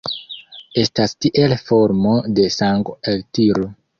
Estas tiel formo de sango-eltiro.